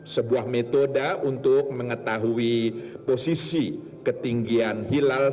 sebuah metode untuk mengetahui posisi ketinggian hilal